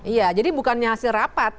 iya jadi bukannya hasil rapat